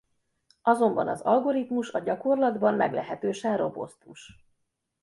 Azonban az algoritmus a gyakorlatban meglehetősen robusztus.